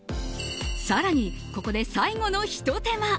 更に、ここで最後のひと手間。